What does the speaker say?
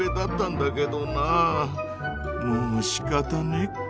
もうしかたねえか。